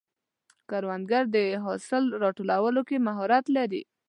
کروندګر د حاصل راټولولو کې مهارت لري